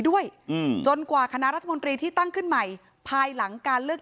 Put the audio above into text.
ด้วยอืมจนกว่าคณะรัฐมนตรีที่ตั้งขึ้นใหม่ภายหลังการเลือก